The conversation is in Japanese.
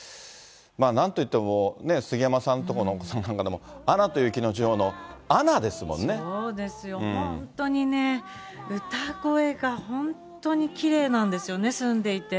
なんといってもね、杉山さんとこのお子さんなんかでも、そうですよ、本当にね、歌声が本当にきれいなんですよね、澄んでいて。